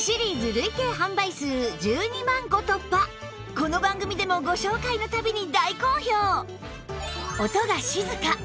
この番組でもご紹介の度に大好評！